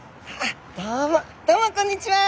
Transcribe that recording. どうもどうもこんにちは！